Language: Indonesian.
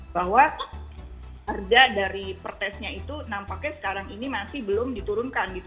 bahwa harga dari pertesnya itu nampaknya sekarang ini masih belum diturunkan gitu